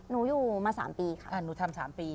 นูอยู่มา๓ปีค่ะครับอ่านูทำ๓ปี